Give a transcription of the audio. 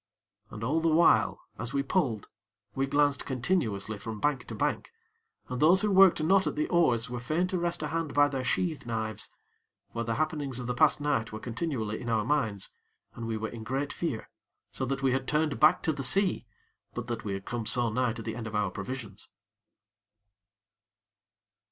And all the while, as we pulled, we glanced continuously from bank to bank; and those who worked not at the oars were fain to rest a hand by their sheath knives; for the happenings of the past night were continually in our minds, and we were in great fear; so that we had turned back to the sea but that we had come so nigh to the end of our provisions.